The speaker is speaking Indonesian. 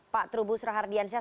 pak trubus rahardiansyah